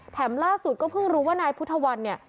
ล่าสุดก็เพิ่งรู้ว่านายพุทธวันเนี่ย